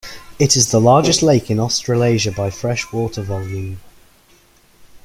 It is the largest lake in Australasia by fresh water volume.